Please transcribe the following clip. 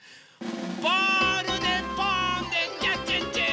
ボールでポーンでキャッチッチ！